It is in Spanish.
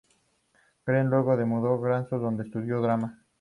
Greg luego se mudó a Glasgow donde estudió drama.